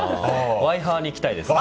ワイハーに行きたいです。